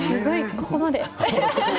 ここまで。